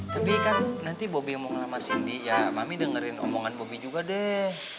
tapi kan nanti bobby omong ngelamar cindy ya mami dengerin omongan bobi juga deh